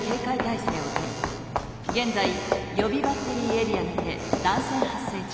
現在予備バッテリーエリアにて断線発生中。